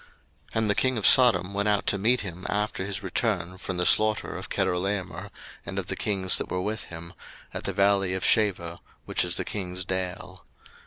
01:014:017 And the king of Sodom went out to meet him after his return from the slaughter of Chedorlaomer, and of the kings that were with him, at the valley of Shaveh, which is the king's dale.